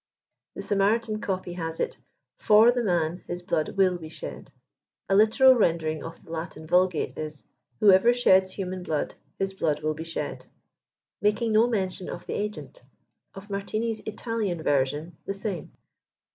The Samaritan copy has it, "/or the man his blood will be shed." A literal rendering of the Latin Vulgate is, "Whoever sheds human blood, his blood will be shed:'^ making no mention of the agent. Of Martini's Italian version^ the same.